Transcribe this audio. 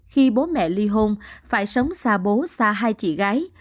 khi bố mẹ ly hôn phải sống xa bố xa hai chị gái